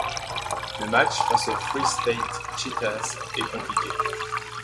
Le match face aux Free State Cheetahs est compliqué.